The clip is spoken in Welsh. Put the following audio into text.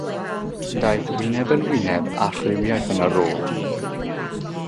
Daeth wyneb yn wyneb â rhywiaeth yn y rôl.